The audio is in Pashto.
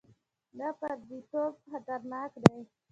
دا پرديتوب خطرناک دی.